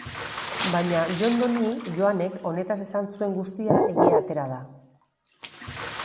Baina Jondoni Joanek honetaz esan zuen guztia egia atera da.